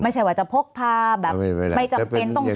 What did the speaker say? ไม่ใช่ว่าจะพกพาแบบไม่จำเป็นต้องใช้